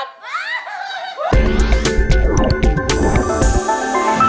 โปรดติดตามตอนต่อไป